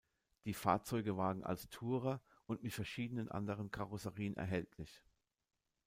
Die Fahrzeuge waren als Tourer und mit verschiedenen anderen Karosserien erhältlich.